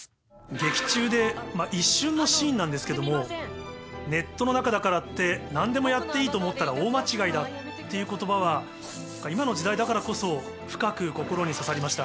劇中で一瞬のシーンなんですけども「ネットの中だからって何でもやっていいと思ったら大間違いだ」っていう言葉は今の時代だからこそ深く心に刺さりました。